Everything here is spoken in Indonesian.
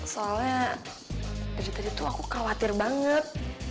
soalnya dari tadi tuh aku khawatir banget